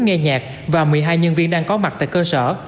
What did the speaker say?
nghe nhạc và một mươi hai nhân viên đang có mặt tại cơ sở